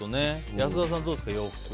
安田さんはどうですか？